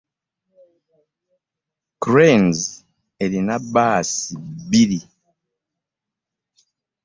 Cranes erina bbaasi bbiri.